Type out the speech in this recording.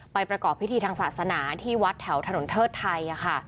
ประกอบพิธีทางศาสนาที่วัดแถวถนนเทิดไทย